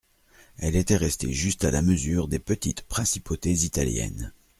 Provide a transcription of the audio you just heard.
Elle était restée juste à la mesure des petites principautés italiennes.